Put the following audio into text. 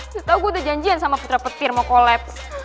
terus tau gue udah janjian sama putra petir mau kolaps